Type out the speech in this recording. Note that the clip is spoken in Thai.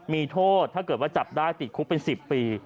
มีโทษถ้าเกิดว่าจับได้ติดคุกเป็น๑๐ปี